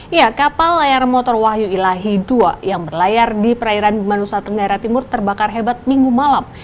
ya kapal layar motor wahyu ilahi dua yang berlayar di perairan bimanusa tenggara timur terbakar hebat minggu malam